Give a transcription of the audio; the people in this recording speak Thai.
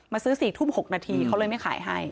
ซื้อ๔ทุ่ม๖นาทีเขาเลยไม่ขายให้